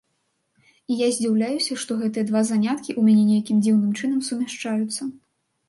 І я здзіўляюся, што гэтыя два заняткі ў мяне нейкім дзіўным чынам сумяшчаюцца.